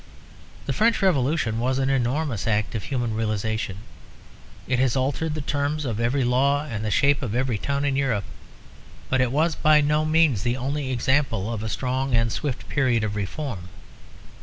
The French Revolution was an enormous act of human realisation; it has altered the terms of every law and the shape of every town in Europe; but it was by no means the only example of a strong and swift period of reform.